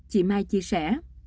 chị mai chia sẻ